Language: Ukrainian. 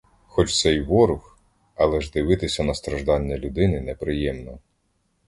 Хоч це й ворог, але ж дивитися на страждання людини неприємно.